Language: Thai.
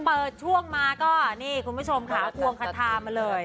เปิดช่วงมาก็นี่คุณผู้ชมค่ะควงคาทามาเลย